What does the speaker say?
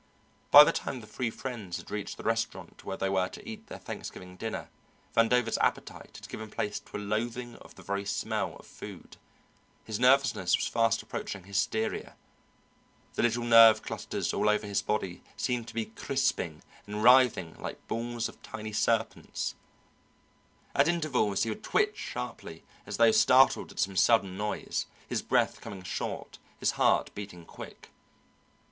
By the time the three friends had reached the restaurant where they were to eat their Thanksgiving dinner, Vandover's appetite had given place to a loathing of the very smell of food, his nervousness was fast approaching hysteria, the little nerve clusters all over his body seemed to be crisping and writhing like balls of tiny serpents, at intervals he would twitch sharply as though startled at some sudden noise, his breath coming short, his heart beating quick.